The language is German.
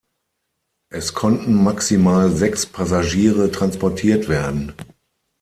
Es konnten maximal sechs Passagiere transportiert werden.